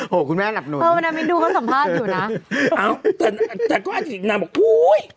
โหคุณแม่หลับหน่วย